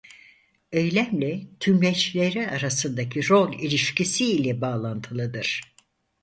Eylemle tümleçleri arasındaki rol ilişkisi ile bağlantılıdır.